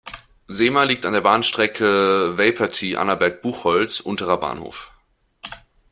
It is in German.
Sehma liegt an der Bahnstrecke Vejprty–Annaberg-Buchholz unt Bf.